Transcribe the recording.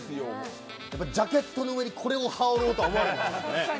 ジャケットの上にこれを羽織ろうとは思わないですよね。